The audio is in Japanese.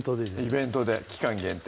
イベントで期間限定